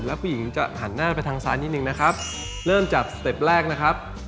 แล้วผู้หญิงจะหันหน้าไปทางซ้ายนิดนึงนะครับเริ่มจากสเต็ปแรกนะครับ